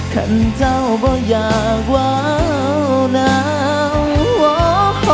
ท่านเจ้าบ่อยากว้าวหนาว